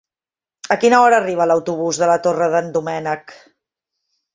A quina hora arriba l'autobús de la Torre d'en Doménec?